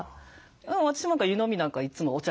私なんか湯飲みなんかいつもお茶